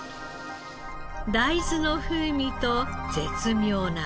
大豆の風味と絶妙な硬さ。